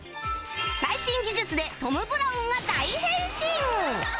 最新技術でトム・ブラウンが大変身！